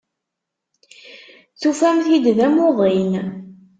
Tufamt-t-id d amuḍin.